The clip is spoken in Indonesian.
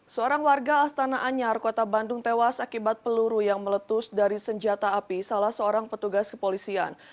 seorang warga astana anyar kota bandung tewas akibat peluru yang meletus dari senjata api salah seorang petugas kepolisian